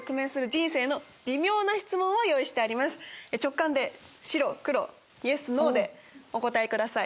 直感で白黒ＹＥＳＮＯでお答えください。